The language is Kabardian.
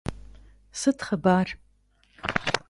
Sıt xhıbar?